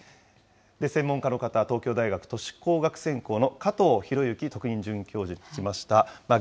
専門家の方、東京大学都市工学専攻の加藤裕之特任准教授に聞きました。